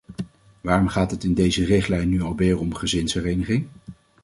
Waarom gaat het in deze richtlijn nu alweer om gezinshereniging?